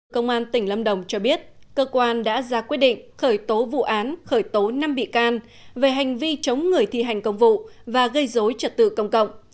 công an tỉnh lâm đồng cho biết cơ quan đã ra quyết định khởi tố vụ án khởi tố năm bị can về hành vi chống người thi hành công vụ và gây dối trật tự công cộng